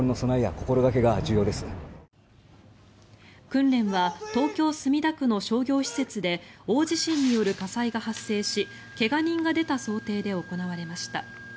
訓練は東京・墨田区の商業施設で大地震による火災が発生し怪我人が出た想定で行われました。